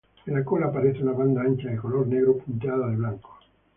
En la cola aparece una banda ancha de color negro punteada de blanco.